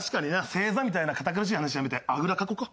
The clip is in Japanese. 星座みたいな堅苦しい話やめて胡座かこうか？